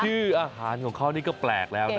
อาหารของเขานี่ก็แปลกแล้วนะ